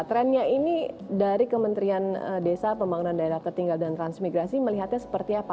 trendnya ini dari kementerian desa pembangunan daerah tertinggal dan transmigrasi melihatnya seperti apa